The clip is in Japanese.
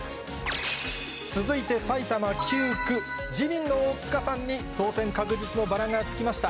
続いて埼玉９区、自民の大塚さんに当選確実のバラがつきました。